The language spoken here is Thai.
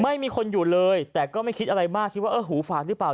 ไม่มีคนอยู่เลยแต่ก็ไม่คิดอะไรมากคิดว่าเออหูฝาดหรือเปล่า